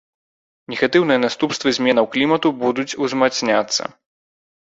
Негатыўныя наступствы зменаў клімату будуць узмацняцца.